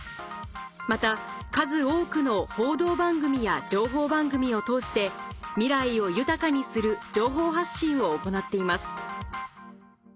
また数多くの報道番組や情報番組を通して「未来を豊かにする情報発信」を行っています